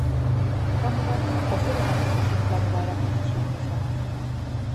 Kamerak osorik hartuko zuen planora erakarri zuen gizona.